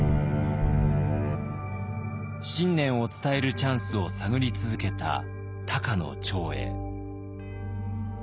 信念を伝えるチャンスを探り続けた高野長英。